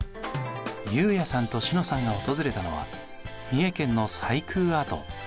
悠也さんと詩乃さんが訪れたのは三重県の斎宮跡。